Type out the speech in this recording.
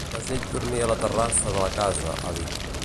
Les nits dormia a la terrassa de la casa, ha dit.